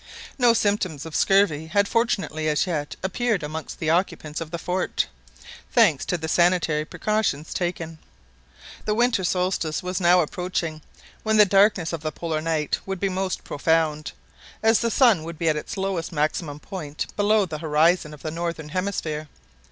No symptoms of scurvy had fortunately as yet appeared amongst the occupants of the fort, thanks to the sanitary precautions taken. The winter solstice was now approaching, when the darkness of the Polar night would be most profound, as the sun would be at the lowest maximum point below the horizon of the northern hemisphere.